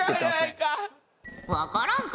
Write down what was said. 分からんか？